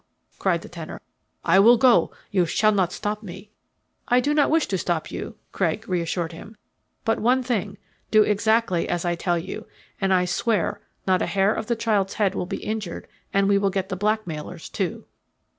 cried the tenor. "I will go you shall not stop me." "I don't wish to stop you," Craig reassured him. "But one thing do exactly as I tell you, and I swear not a hair of the child's head will be injured and we will get the blackmailers, too."